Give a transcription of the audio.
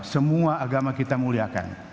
semua agama kita muliakan